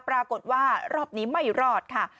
ปรากฏว่ารอบนี้ไม่รอดค่ะ